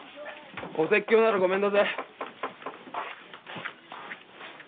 お説教ならごめんだぜ。